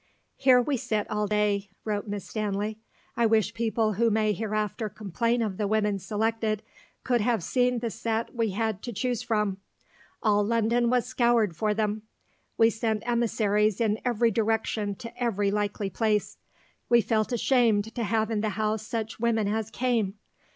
"Here we sit all day," wrote Miss Stanley; "I wish people who may hereafter complain of the women selected could have seen the set we had to choose from. All London was scoured for them. We sent emissaries in every direction to every likely place.... We felt ashamed to have in the house such women as came.